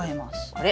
あれ？